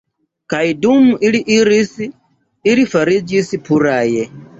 Kaj dum ili iris, ili fariĝis puraj.